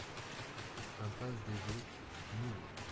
Impasse des Eaux, Mougon